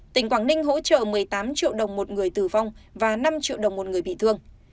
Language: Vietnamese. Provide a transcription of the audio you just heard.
tỉnh quảng ninh hỗ trợ một mươi tám triệu đồng một người tử vong và năm triệu đồng một người bị thương